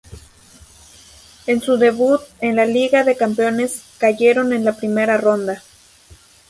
En su debut en la Liga de Campeones cayeron en la primera ronda.